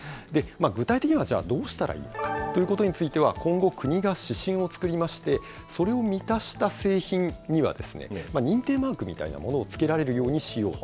具体的にはじゃあ、どうしたらいいのかということについては、今後、国が指針を作りまして、それを満たした製品には、認定マークみたいなものをつけられるようにしようと。